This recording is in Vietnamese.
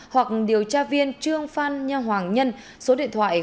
hoặc điều tra viên trương phan nha hoàng nhân số điện thoại chín trăm linh một chín trăm linh một